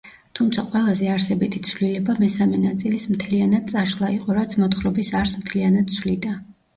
თუმცა ყველაზე არსებითი ცვლილება მესამე ნაწილის მთლიანად წაშლა იყო, რაც მოთხრობის არსს მთლიანად ცვლიდა.